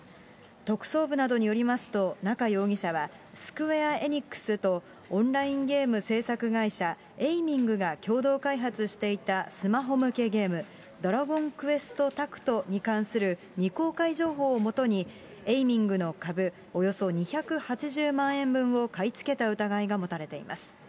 特捜部などによりますと、中容疑者は、スクウェア・エニックスとオンラインゲーム制作会社、エイミングが共同開発していたスマホ向けゲーム、ドラゴンクエストタクトに関する未公開情報をもとに、エイミングの株およそ２８０万円分を買い付けた疑いが持たれています。